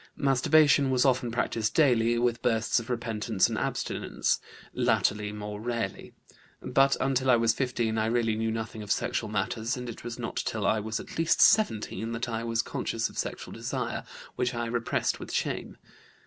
Masturbation was often practised daily, with bursts of repentance and abstinence, latterly more rarely. But until I was 15 I really knew nothing of sexual matters, and it was not till I was at least 17 that I was conscious of sexual desire, which I repressed with shame.